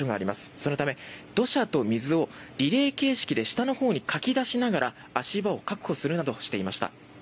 そのため、土砂と水をリレー形式で下のほうにかき出しながら足場を確保するなどしていました。